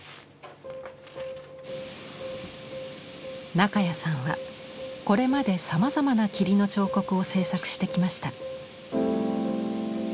中谷さんはこれまでさまざまな「霧の彫刻」を制作してきました。